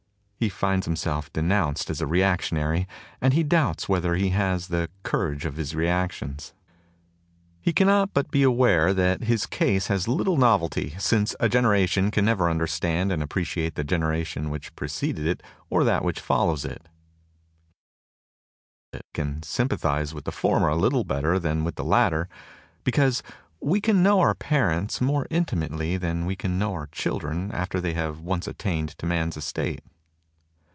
He finds himself denounced as a reac tionary; and he doubts whether he has the courage of his reactions. He cannot but be aware that his case has little novelty, since a generation can never under stand and appreciate the generation which pre THE TOCSIN OF REVOLT ceded it or that which follows it. It can sym pathize with the former a little better than with the latter, because we can know our parents more intimately than we can ever know our children after they have once attained to man's estate.